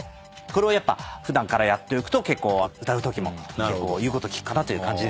これを普段からやっておくと結構歌うときも言うこと聞くかなという感じ。